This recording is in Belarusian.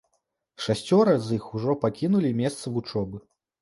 Шасцёра з іх ужо пакінулі месца вучобы.